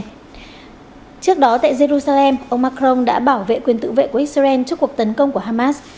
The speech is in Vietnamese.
trước đó tại jerusalem ông macron đã bảo vệ quyền tự vệ của israel trước cuộc tấn công của hamas